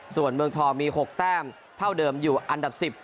ส่วนเมืองทองมี๖แต้มเท่าเดิมอยู่อันดับ๑๐